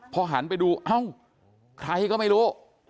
พอหันไปดูเอ้าใครก็ไม่รู้